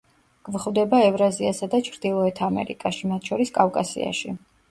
გვხვდება ევრაზიასა და ჩრდილოეთ ამერიკაში, მათ შორის კავკასიაში.